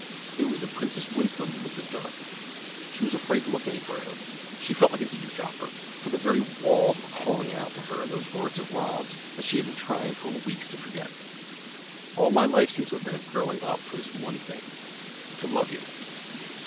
It was the Princess Winsome with the dove. She was afraid to look any further. She felt like an eavesdropper, for the very walls were calling out to her those words of Rob's that she had been trying for weeks to forget: "All my life seems to have been a growing up for this one thing to love you!"